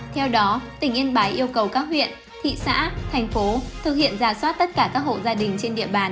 theo đó tỉnh yên bái yêu cầu các huyện thị xã thành phố thực hiện giả soát tất cả các hộ gia đình trên địa bàn